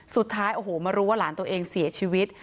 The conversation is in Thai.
สุดท้ายโอ้โหมารู้ว่าหลานตัวเองเสียชีวิต